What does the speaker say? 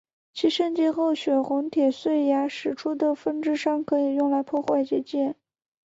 其升级后血红铁碎牙使出的风之伤可以用来破坏结界。